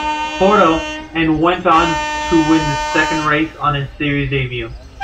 Porto, and went on to win the second race, on his series debut.